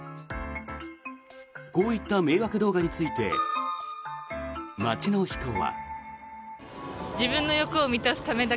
こういった迷惑動画について街の人は。